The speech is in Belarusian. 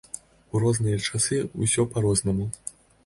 У розныя часы ўсё па-рознаму.